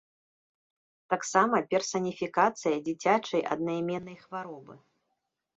Таксама персаніфікацыя дзіцячай аднаіменнай хваробы.